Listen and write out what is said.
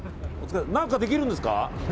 何かできるんですか？